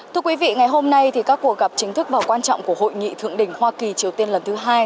thưa quý vị ngày hôm nay các cuộc gặp chính thức và quan trọng của hội nghị thượng đỉnh hoa kỳ triều tiên lần thứ hai